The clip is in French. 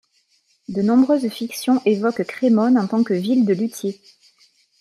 De nombreuses fictions évoquent Crémone en tant que ville de luthiers.